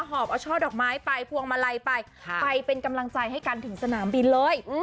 หอบเอาช่อดอกไม้ไปพวงมาลัยไปไปเป็นกำลังใจให้กันถึงสนามบินเลย